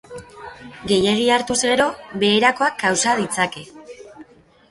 Gehiegi hartuz gero beherakoak kausa ditzake.